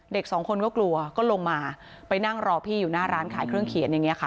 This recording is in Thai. เด็กสองคนก็กลัวก็ลงมาไปนั่งรอพี่อยู่หน้าร้านขายเครื่องเขียนอย่างนี้ค่ะ